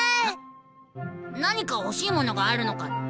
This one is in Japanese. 何か欲しい物があるのかって？